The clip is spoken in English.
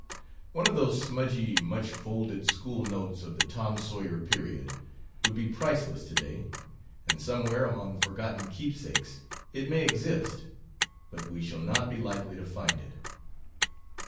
One of those smudgy, much folded school notes of the Tom Sawyer period would be priceless to day, and somewhere among forgotten keepsakes it may exist, but we shall not be likely to find it.